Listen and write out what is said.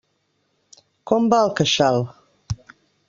Com va el queixal?